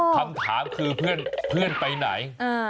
คำถามคือเพื่อนไปไหน